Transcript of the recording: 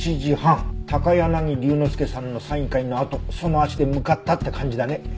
高柳龍之介さんのサイン会のあとその足で向かったって感じだね。